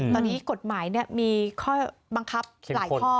ตอนนี้กฎหมายมีข้อบังคับหลายข้อ